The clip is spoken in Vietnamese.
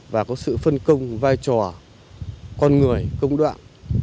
và có sự phân công vai trò con người công đoạn